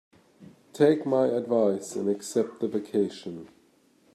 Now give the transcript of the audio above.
Take my advice and accept the vacation.